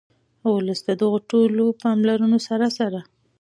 ولي د دغو ټولو پاملرونو سره سره